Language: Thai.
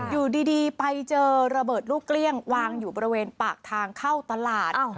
อยู่ดีไปเจอระเบิดลูกเกลี้ยงวางอยู่บริเวณปากทางเข้าตลาด